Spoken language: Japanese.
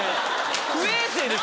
不衛生ですよ。